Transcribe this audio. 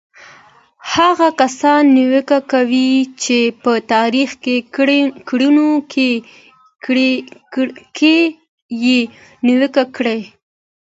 هغه کسان نیوکه کوي چې په تاریخي کړنو کې یې نیوکه کړې.